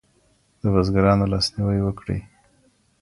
د بزګرانو لاسنیوی وکړئ.